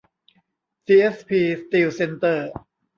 ซีเอสพี สตีลเซ็นเตอร์